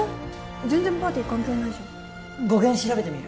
全然ｐａｒｔｙ関係ないじゃん語源調べてみる？